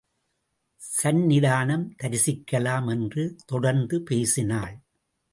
சந்நிதானம் தரிசிக்கலாம் என்று தொடர்ந்து பேசினாள்.